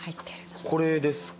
これですか？